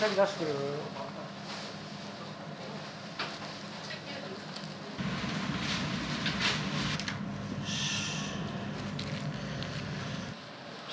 よし。